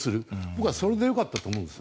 僕はそれで良かったと思うんです。